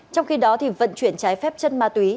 trong khi đó vận chuyển trái phép chân ma túy